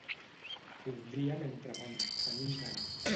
Voldríem entrepans, tenim gana.